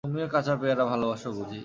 তুমিও কাঁচা পেয়ারা ভালোবাস বুঝি ।